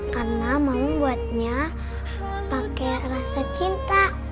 karena mama membuatnya pakai rasa cinta